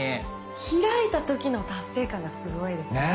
開いた時の達成感がすごいですね。ね。